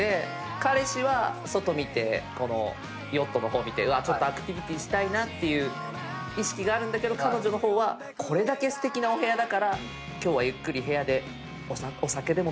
彼氏は外見てヨットの方見てちょっとアクティビティーしたいなっていう意識があるんだけど彼女の方はこれだけすてきなお部屋だから今日はゆっくり部屋でお酒でも飲みたいな。